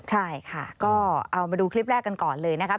ใช่ค่ะก็เอามาดูคลิปแรกกันก่อนเลยนะครับ